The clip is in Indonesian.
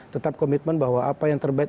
tetap komitmen bahwa apa yang terbaik